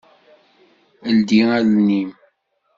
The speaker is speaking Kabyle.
Ldi allen-im!